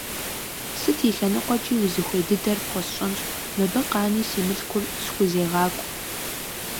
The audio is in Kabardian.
Сыт и лъэныкъуэкӀи узыхуей дыдэр пхуэсщӀэнщ, мыбы къани си мылъкур схузегъакӀуэ.